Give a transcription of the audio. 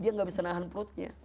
dia nggak bisa nahan perutnya